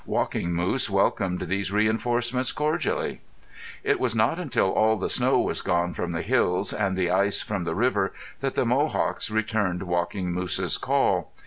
Walking Moose welcomed these reinforcements cordially. It was not until all the snow was gone from the hills and the ice from the river that the Mohawks returned Walking Moose's call.